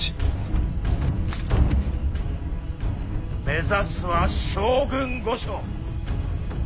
目指すは将軍御所！